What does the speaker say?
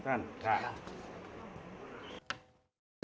ค่ะ